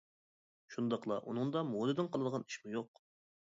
شۇنداقلا ئۇنىڭدا مودىدىن قالىدىغان ئىشمۇ يوق.